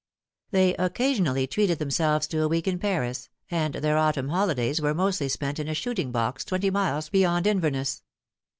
They occasionally treated themselves to a week in Paris, and their autumn holidays were mostly spent in a shooting box twenty miles beyond Inverness.